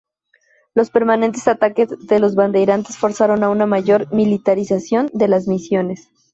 Los permanentes ataques de los bandeirantes forzaron a una mayor militarización de las misiones.